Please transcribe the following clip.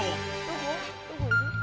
どこにいる？